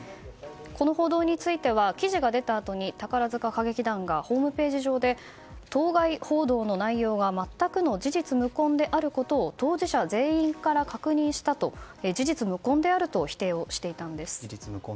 この報道については記事が出たあとに宝塚歌劇団がホームページで当該報道の内容は全くの事実無根であることを当事者全員から確認したと事実無根であると否定していたんです。